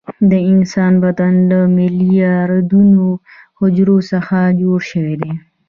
د انسان بدن له میلیارډونو حجرو څخه جوړ شوی دی